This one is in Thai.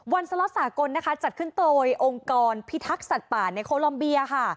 สละสากลนะคะจัดขึ้นโดยองค์กรพิทักษ์สัตว์ป่าในโคลอมเบียค่ะ